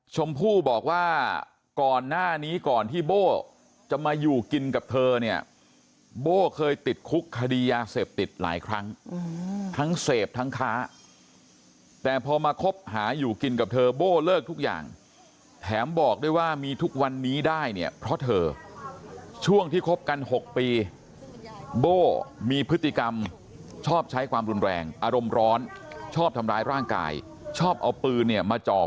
ชมพู่บอกว่าก่อนหน้านี้ก่อนที่โบ้จะมาอยู่กินกับเธอเนี่ยโบ้เคยติดคุกคดียาเสพติดหลายครั้งทั้งเสพทั้งค้าแต่พอมาคบหาอยู่กินกับเธอโบ้เลิกทุกอย่างแถมบอกด้วยว่ามีทุกวันนี้ได้เนี่ยเพราะเธอช่วงที่คบกัน๖ปีโบ้มีพฤติกรรมชอบใช้ความรุนแรงอารมณ์ร้อนชอบทำร้ายร่างกายชอบเอาปืนเนี่ยมาจอบ